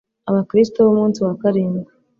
abakristo b'Umunsi wa karindwi.